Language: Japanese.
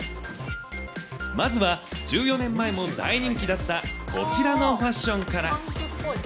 まずは１４年前も大人気だった、こちらのファッションから。